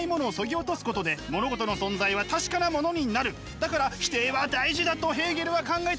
だから否定は大事だとヘーゲルは考えたのです！